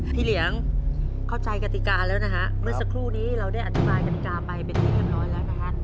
เหลียงเข้าใจกติกาแล้วนะฮะเมื่อสักครู่นี้เราได้อธิบายกติกาไปเป็นที่เรียบร้อยแล้วนะฮะ